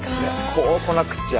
こうこなくっちゃ。